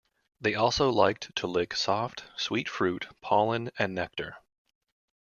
They also liked to lick soft, sweet fruit, pollen and nectar.